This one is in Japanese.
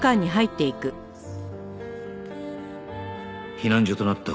避難所となった